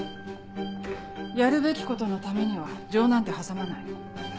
やるべきことのためには情なんて挟まない。